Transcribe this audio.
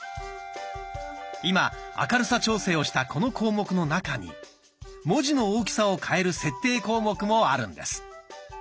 今明るさ調整をしたこの項目の中に文字の大きさを変える設定項目もあるんです。